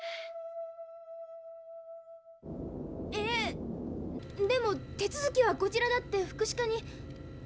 えっでも手続きはこちらだって福祉課に。